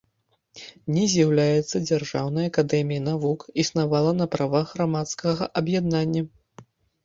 Не з'яўляецца дзяржаўнай акадэміяй навук, існавала на правах грамадскага аб'яднання.